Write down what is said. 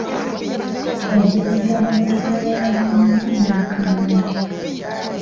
Yagyerega mmotoka ya munne n'akamala.